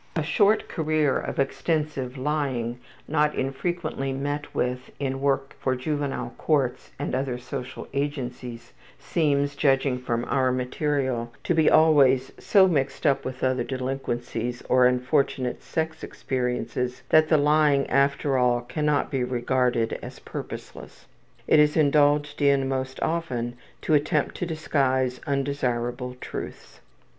A short career of extensive lying, not unfrequently met with in work for juvenile courts and other social agencies, seems, judging from our material, to be always so mixed up with other delinquencies or unfortunate sex experiences that the lying, after all, cannot be regarded as purposeless. It is indulged in most often in an attempt to disguise undesirable truths.